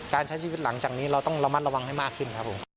การใช้ชีวิตหลังจากนี้ต้องระมัดระวังให้มากขึ้น